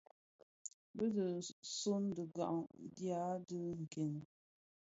Bi dhi suň dhighan dya dhi nken.